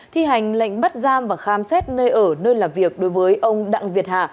thi hành lệnh bắt giam và khám xét nơi ở nơi làm việc đối với ông đặng việt hà